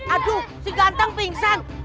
aduh si ganteng pingsan